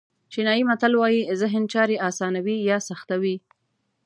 چینایي متل وایي ذهن چارې آسانوي یا سختوي.